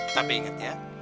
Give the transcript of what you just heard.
tapi ingat ya